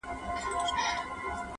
مېږي خور که شرمښکۍ ده که مرغان دي-